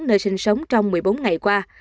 nơi sinh sống trong một mươi bốn ngày qua